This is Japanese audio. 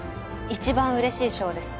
一番嬉しい賞です